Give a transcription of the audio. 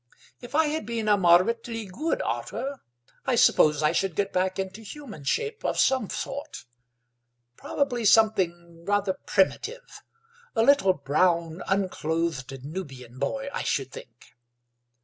If I had been a moderately good otter I suppose I should get back into human shape of some sort; probably something rather primitive—a little brown, unclothed Nubian boy, I should think."